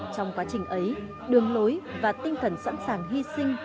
trong quá trình ấy đường lối và tinh thần sẵn sàng hy sinh